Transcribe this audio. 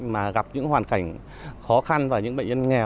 mà gặp những hoàn cảnh khó khăn và những bệnh nhân nghèo